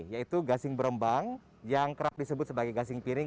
yaitu gasing berembang yang kerap disebut sebagai gasing piring